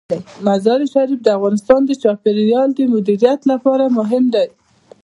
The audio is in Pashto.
مزارشریف د افغانستان د چاپیریال د مدیریت لپاره مهم دي.